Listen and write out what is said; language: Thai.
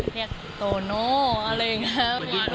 เรียกโตโน่อะไรอย่างนี้